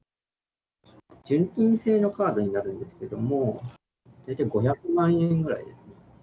純金製のカードになるんですけども、大体５００万円ぐらいですね。